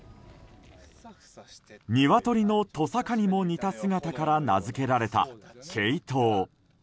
ニワトリの、とさかにも似た姿から名付けられたケイトウ。